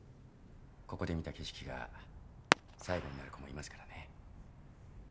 ここで見た景色が最後になる子もいますからね。